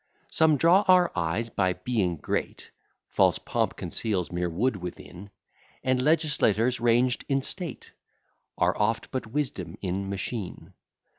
Some draw our eyes by being great, False pomp conceals mere wood within; And legislators ranged in state Are oft but wisdom in machine.